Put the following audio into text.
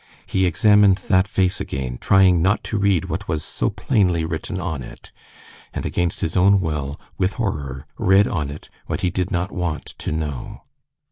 He examined that face again, trying not to read what was so plainly written on it, and against his own will, with horror read on it what he did not want to know.